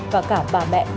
và cả bà mẹ